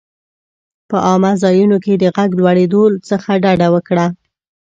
په عامه ځایونو کې د غږ لوړېدو څخه ډډه وکړه.